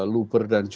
luber dan kisah